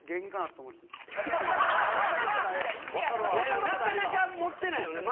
なかなか持ってないよね？